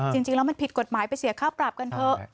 จริงแล้วมันผิดกฎหมายไปเสียค่าปรับกันเถอะ